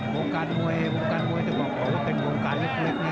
โบรการมวยโบรการมวยเป็นโบรการเล็กเนี่ย